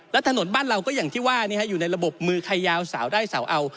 และถนนบ้านเราก็อย่างที่ว่าอยู่ในระบบมือใครยาวสาวได้สาวเอา